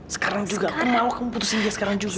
sekarang juga aku mau kamu putusin dia sekarang juga